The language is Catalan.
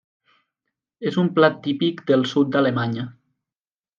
És un plat típic del sud d’Alemanya.